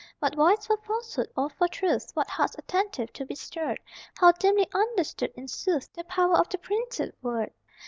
What voice for falsehood or for truth, What hearts attentive to be stirred How dimly understood, in sooth, The power of the printed word!